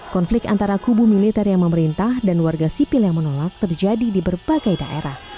konflik antara kubu militer yang memerintah dan warga sipil yang menolak terjadi di berbagai daerah